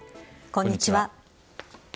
こんにちは。